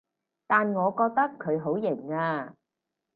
但我覺得佢好型啊